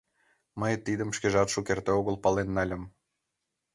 Мый тидым шкежат шукерте огыл пален нальым.